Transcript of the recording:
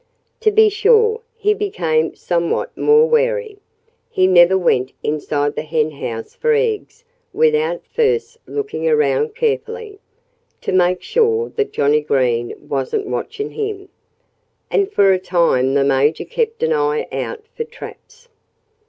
To be sure, he became somewhat more wary. He never went inside the henhouse for eggs without first looking around carefully, to make sure that Johnnie Green wasn't watching him. And for a time the Major kept an eye out for traps.